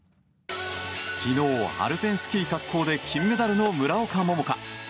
昨日、アルペンスキー滑降で金メダルの村岡桃佳。